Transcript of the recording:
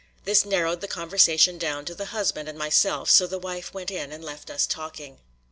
This narrowed the conversation down to the husband and myself, so the wife went in and left us talking.